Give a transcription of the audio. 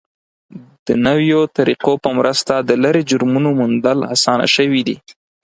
د نویو طریقو په مرسته د لرې جرمونو موندل اسانه شوي دي.